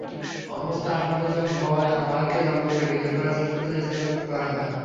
অবস্থা আশঙ্কাজনক হওয়ায় আনোয়ারাকে রংপুর মেডিকেল কলেজ হাসপাতালে স্থানান্তর করা হয়।